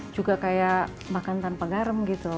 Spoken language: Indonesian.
juga kayak makan tanpa garam gitu